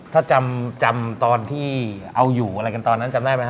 ถ้าจำตอนที่เอาอยู่อะไรกันตอนนั้นจำได้ไหมฮ